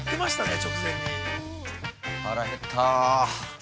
◆腹減ったー。